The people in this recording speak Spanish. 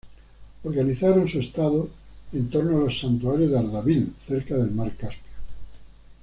Organizaron su estado en torno al santuario de Ardabil, cerca del mar Caspio.